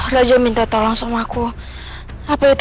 lihat satu jatuh